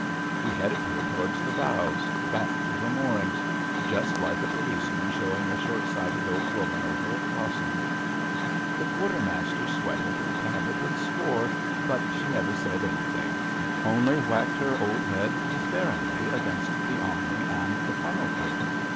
We headed her towards the bows, back to her moorings — ^just like a policeman show ing a short sighted old woman over a crossiag. 24 ABAFT THE FUNNEL The quartermaster sweated and panted and swore, but she never said anything — only whacked her old head despairingly against the awning and the funnel case.